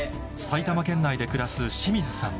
埼玉県内で暮らす清水さん